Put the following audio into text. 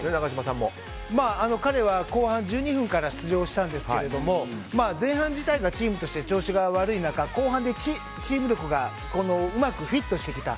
彼は後半１２分から出場したんですが前半自体がチームとして調子が悪い中後半でチーム力がうまくフィットしてきた。